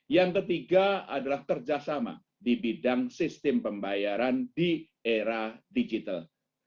yang ketiga adalah kerjasama di bidang sistem pembayaran di era digital